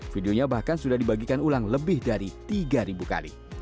videonya bahkan sudah dibagikan ulang lebih dari tiga kali